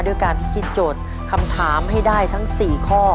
ด้วยการพิชิตโจทย์คำถามให้ได้ทั้ง๔ข้อ